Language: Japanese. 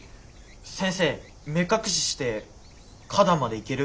先生目隠しして花壇まで行ける？